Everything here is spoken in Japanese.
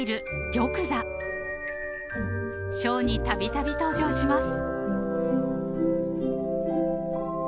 ［ショーにたびたび登場します］